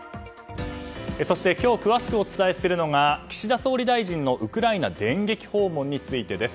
そして今日詳しくお伝えするのが岸田総理大臣のウクライナ電撃訪問についてです。